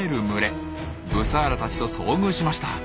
ブサーラたちと遭遇しました。